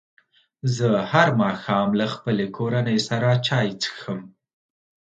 زه هر ماښام له خپلې کورنۍ سره چای څښم.